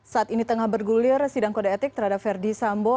saat ini tengah bergulir sidang kode etik terhadap verdi sambo